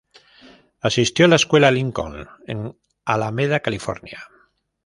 Asistió a la Escuela Lincoln en Alameda, California.